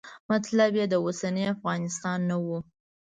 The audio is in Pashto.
مطلب یې د اوسني افغانستان نه و.